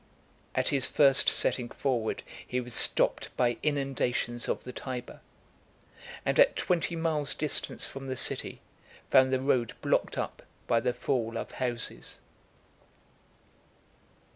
At his first setting forward, he was stopped by inundations of the Tiber; and at twenty miles' distance from the city, found the road blocked up by the fall of houses.